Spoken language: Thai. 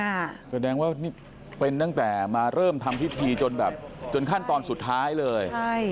แสดงว่านี่เป็นตั้งแต่มาเริ่มทำพิธีจนแบบจนขั้นตอนสุดท้ายเลยใช่